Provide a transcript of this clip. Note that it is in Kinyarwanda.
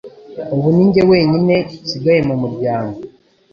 Ubu Ninjye wenyine nsigaye mu muryango